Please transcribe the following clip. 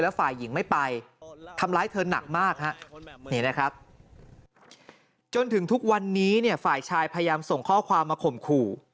แล้วฝ่ายหญิงไม่ไปทำร้ายเธอหนักมากจนถึงทุกวันนี้ฝ่ายชายพยายามส่งข้อความมาข่มขู่